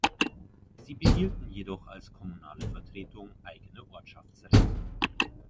Sie behielten jedoch als kommunale Vertretung eigene Ortschaftsräte.